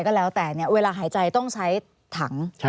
ก็แล้วแต่เวลาหายใจต้องใช้ถัง